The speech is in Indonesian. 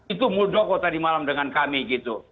itu muldoko tadi malam dengan kami gitu